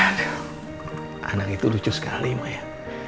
aduh anak itu lucu sekali maya